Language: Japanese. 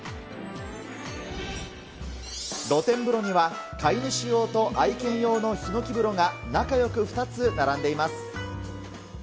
露天風呂には飼い主用と愛犬用のひのき風呂が仲よく２つ並んでいます。